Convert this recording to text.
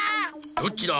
どっちだ？